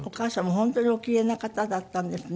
本当にお奇麗な方だったんですね。